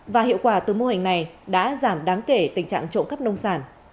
và hiệu quả từ mô hình này đã giảm đáng kể tình trạng trộm cắp nông sản